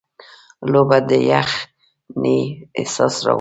اوبه د یخنۍ احساس راوړي.